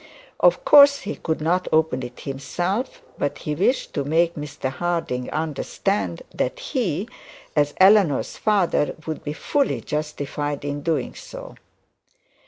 Of course he could not open it himself, but he wished to make Mr Harding understand that he, as Eleanor's father, would be fully justified in doing so.